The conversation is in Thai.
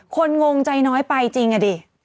งงใจน้อยไปจริงอะดิ